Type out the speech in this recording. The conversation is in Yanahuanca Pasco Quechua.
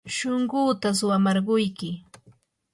shunquuta suwamarquyki.